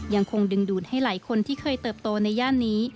ยังคงดึงดูดให้หลายคนที่เคยเติบโตในย่านนี้